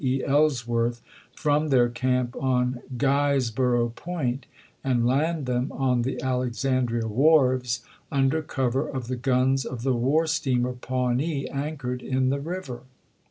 Ellsworth, from their camp on Giesboro' Point and land them on the Alexandria wharves, under cover of the guns of the war steamer Pawnee^ anchored in the river.